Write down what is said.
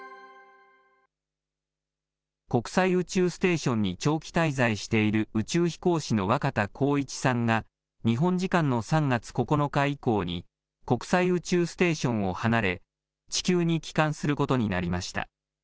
国際宇宙ステーションに長期滞在している宇宙飛行士の若田光一さんが、日本時間の３月９日以降に、国際宇宙ステーションを離れ、地球に帰還することになりました。